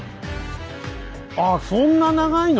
あっそんな長いの⁉